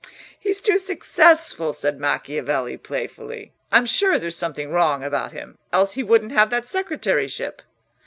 "He's too successful," said Macchiavelli, playfully. "I'm sure there's something wrong about him, else he wouldn't have that secretaryship."